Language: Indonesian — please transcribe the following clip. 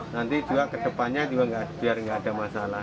nanti juga kedepannya juga biar nggak ada masalah